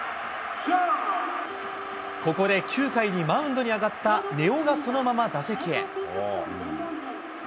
ここで９回にマウンドに上がった根尾がそのまま打席へ。